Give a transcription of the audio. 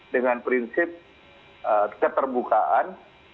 dengan prinsip keterbukaan